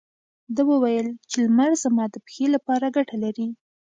ده وويل چې لمر زما د پښې لپاره ګټه لري.